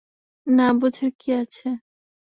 না বুঝার কি আছে।